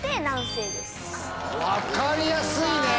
分かりやすいね。